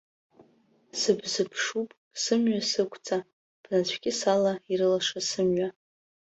Сыбзыԥшуп, сымҩа сықәҵа, бнацәкьыс ала ирлаша сымҩа.